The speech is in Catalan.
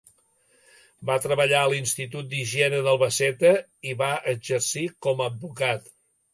Va treballar a l'Institut d'Higiene d'Albacete i va exercir com a advocat.